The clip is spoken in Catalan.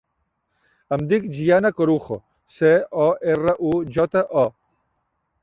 Em dic Gianna Corujo: ce, o, erra, u, jota, o.